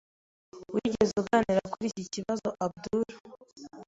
Wigeze uganira kuri iki kibazoAbdul?